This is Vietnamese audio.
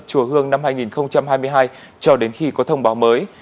chùa hương năm hai nghìn hai mươi hai cho đến khi có thông báo mới